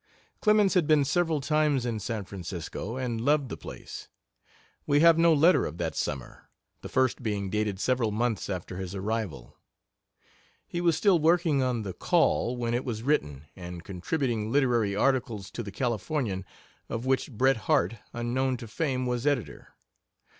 Clemens had been several times in San Francisco, and loved the place. We have no letter of that summer, the first being dated several months after his arrival. He was still working on the Call when it was written, and contributing literary articles to the Californian, of which Bret Harte, unknown to fame, was editor.